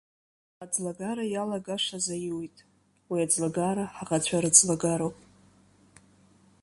Аӡлагара иалагашаз аиуит, уи аӡлагара ҳаӷацәа рыӡлагароуп.